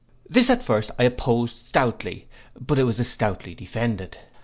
This at first I opposed stoutly; but it was as stoutly defended.